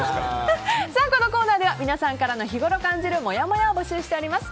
このコーナーでは皆さんからの日ごろ感じるもやもやを募集しております。